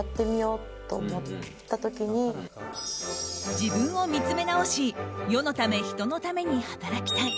自分を見つめ直し世のため、人のために働きたい。